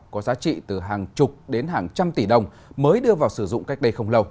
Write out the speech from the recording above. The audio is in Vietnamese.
có giá trị từ hàng chục đến hàng trăm tỷ đồng mới đưa vào sử dụng cách đây không lâu